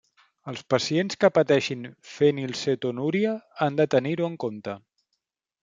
Els pacients que pateixin fenilcetonúria han de tenir-ho en compte.